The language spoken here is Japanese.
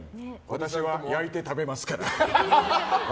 私は焼いて食べますから！